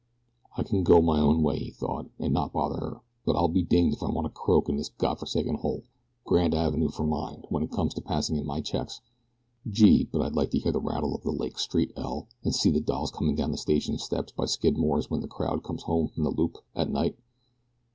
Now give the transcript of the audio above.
"I can go my own way," he thought, "and not bother her; but I'll be dinged if I want to croak in this God forsaken hole Grand Avenue for mine, when it comes to passing in my checks. Gee! but I'd like to hear the rattle of the Lake Street 'L' and see the dolls coming down the station steps by Skidmore's when the crowd comes home from the Loop at night."